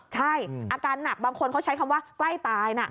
ใช่อาการหนักบางคนเขาใช้คำว่าใกล้ตายนะ